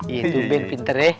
itu ben pinter ya